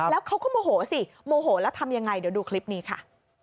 แล้วเขาก็โมโหสิโมโหแล้วทำยังไงเดี๋ยวดูคลิปนี้ค่ะ